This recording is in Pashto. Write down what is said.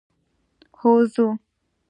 هو ځو.